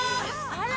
あら！